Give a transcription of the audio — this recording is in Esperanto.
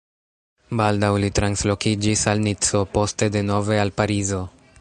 Baldaŭ li translokiĝis al Nico, poste denove al Parizo.